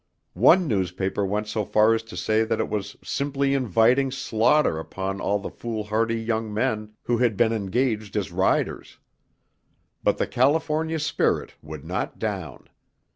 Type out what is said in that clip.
One newspaper went so far as to say that it was "Simply inviting slaughter upon all the foolhardy young men who had been engaged as riders". But the California spirit would not down.